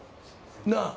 なあ。